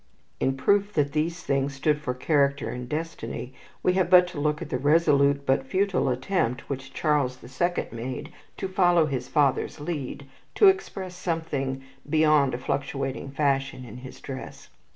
In proof that these things stood for character and destiny, we have but to look at the resolute but futile attempt which Charles the Second made to follow his father's lead, to express something beyond a fluctuating fashion in his dress.